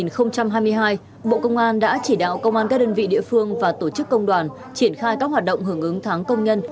năm hai nghìn hai mươi hai bộ công an đã chỉ đạo công an các đơn vị địa phương và tổ chức công đoàn triển khai các hoạt động hưởng ứng tháng công nhân